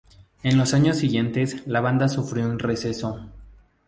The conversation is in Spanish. En los años siguientes la banda sufrió un receso.